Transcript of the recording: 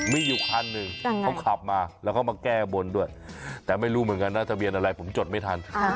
มีอยู่คันหนึ่งเขาขับมาแล้วเขามาแก้บนด้วยแต่ไม่รู้เหมือนกันนะทะเบียนอะไรผมจดไม่ทัน